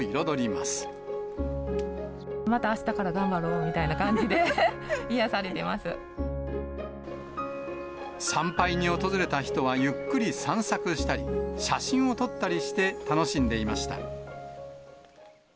またあしたから頑張ろうみた参拝に訪れた人は、ゆっくり散策したり、写真を撮ったりして、楽しんでいました。